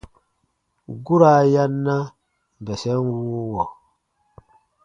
Guraa ya na bɛsɛn wuuwɔ.